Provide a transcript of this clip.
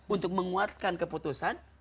untuk menguatkan keputusan